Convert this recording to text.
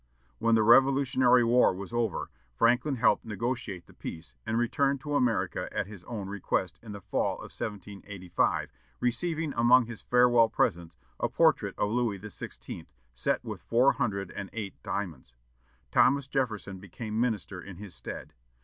When the Revolutionary War was over, Franklin helped negotiate the peace, and returned to America at his own request in the fall of 1785, receiving among his farewell presents a portrait of Louis XVI., set with four hundred and eight diamonds. Thomas Jefferson became minister in his stead.